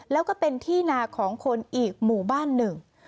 แล้วก็เป็นที่นาของคนอีกหมู่บ้านหนึ่ง